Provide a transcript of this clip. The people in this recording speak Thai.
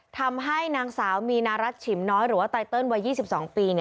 ทำให้นางสาวมีนารัฐฉิมน้อยหรือว่าไตเติลวัย๒๒ปี